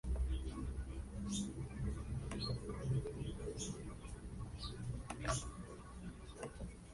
Mayo nació en Hammersmith, Londres.